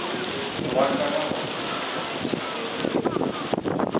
Omwagalwawo wamusisinkana ku ssettendekero?